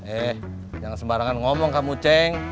eh jangan sembarangan ngomong kamu ceng